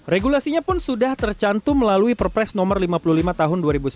regulasinya pun sudah tercantum melalui perpres nomor lima puluh lima tahun dua ribu sembilan belas